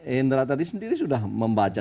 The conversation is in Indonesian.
indra tadi sendiri sudah membaca